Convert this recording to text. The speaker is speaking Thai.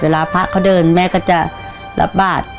เวลาพระเขาเดินแม่ก็จะรับบาตร